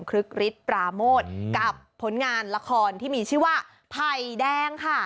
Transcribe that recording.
ลึกฤทธิ์ปราโมทกับผลงานละครที่มีชื่อว่าไผ่แดงค่ะ